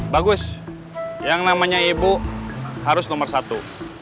bagus yang namanya ibu harus nomor satu